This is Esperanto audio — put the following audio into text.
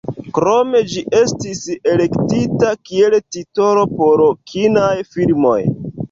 Krome ĝi estis elektita kiel titolo por kinaj filmoj.